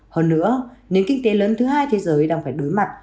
hơn nữa nền kinh tế lớn thứ hai thế giới đang phải đối mặt